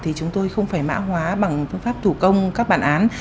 thì chúng tôi không phải mã hóa bằng phương pháp thủ công các bản án